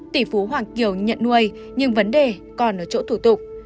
tỷ phú hoàng kiều nhận nuôi nhưng vấn đề còn ở chỗ thủ tục